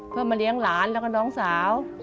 เพื่อมาเลี้ยงหลานแล้วก็น้องสาว